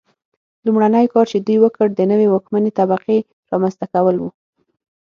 لومړنی کار چې دوی وکړ د نوې واکمنې طبقې رامنځته کول و.